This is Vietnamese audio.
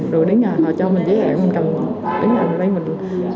rồi đến nhà họ cho mình giấy hẹn mình cầm đến nhà mình lấy mình